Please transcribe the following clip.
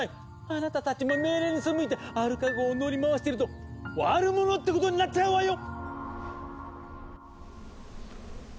あなたたちも命令に背いてアルカ号を乗り回してると悪者ってことになっちゃうわよ！